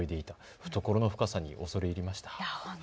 懐の深さ、恐れ入りました。